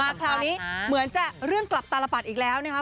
คราวนี้เหมือนจะเรื่องกลับตารปัดอีกแล้วนะครับ